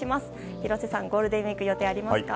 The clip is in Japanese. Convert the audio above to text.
廣瀬さん、ゴールデンウィークの予定ありますか。